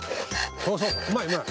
そうそううまいうまい。